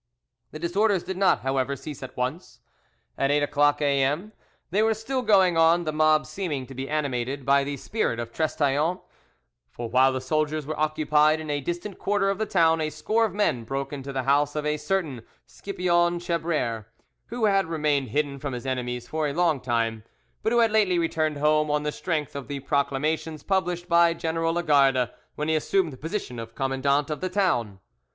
The disorders did not, however, cease at once. At eight o'clock A.M. they were still going on, the mob seeming to be animated by the spirit of Trestaillons, for while the soldiers were occupied in a distant quarter of the town a score of men broke into the house of a certain Scipion Chabrier, who had remained hidden from his enemies for a long time, but who had lately returned home on the strength of the proclamations published by General Lagarde when he assumed the position of commandant of the town.